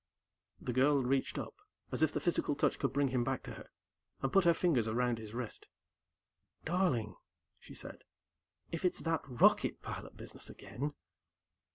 The girl reached up, as if the physical touch could bring him back to her, and put her fingers around his wrist. "Darling!" she said. "If it's that rocket pilot business again...."